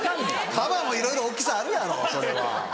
カバもいろいろ大きさあるやろそれは。